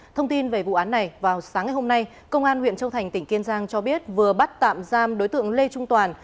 thông tin về vụ án này vào sáng ngày hôm nay công an huyện châu thành tỉnh kiên giang cho biết vừa bắt tạm giam đối tượng lê trung toàn